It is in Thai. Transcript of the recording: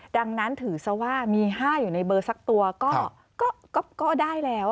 ดังนั้นถือซะว่ามี๕อยู่ในเบอร์สักตัวก็ได้แล้ว